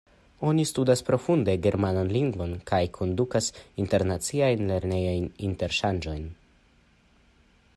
Oni studas profunde germanan lingvon kaj kondukas internaciajn lernejajn interŝanĝojn.